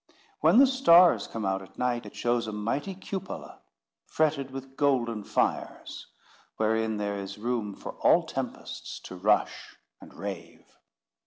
When the stars come out at night, it shows a mighty cupola, "fretted with golden fires," wherein there is room for all tempests to rush and rave.